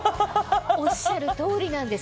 おっしゃる通りなんです。